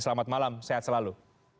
selamat malam sehat selalu